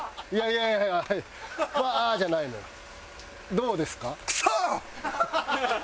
どうですか？